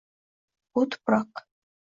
Bu tuproq